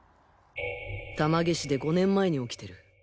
玉毛市で５年前に起きてる。